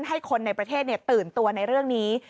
ให้คนในประเทศตื่นตัวในเรื่องนี้